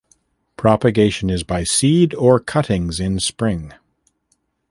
Propagation is by seed or cuttings in spring.